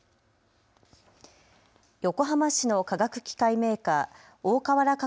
横浜市の化学機械メーカー大川原化